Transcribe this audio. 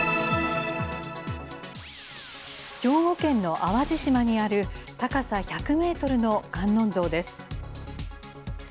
兵庫県の淡路島にある高さ１００メートルの観音像です。